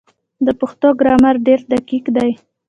د پښتو ګرامر ډېر دقیق دی.